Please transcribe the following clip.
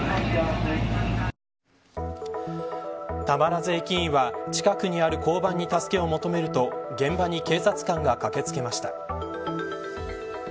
たまらず駅員は近くにある交番に助けを求めると現場に警察官が駆けつけました。